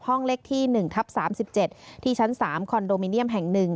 ห้องเลขที่๑ทับ๓๗ที่ชั้น๓คอนโดมิเนียมแห่ง๑